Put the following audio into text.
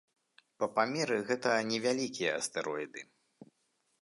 Па памеры гэта невялікія астэроіды.